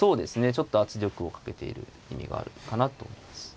ちょっと圧力をかけている意味があるのかなと思います。